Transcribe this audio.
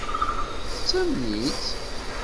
Tettamen-itt?